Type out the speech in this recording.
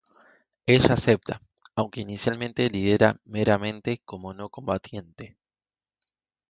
Ella acepta, aunque inicialmente lidera meramente como no combatiente.